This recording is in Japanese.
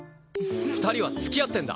２人は付き合ってんだ。